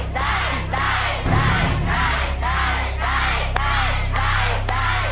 ได้